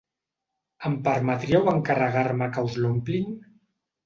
Em permetríeu encarregar-me que us l'omplin?